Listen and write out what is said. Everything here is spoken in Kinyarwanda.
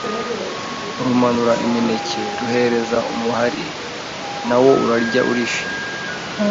rumanura imineke ruhereza umuhari, na wo urarya urishima